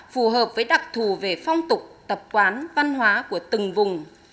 phù hợp với đặc thù về phong tục tập quán văn hóa của từng vùng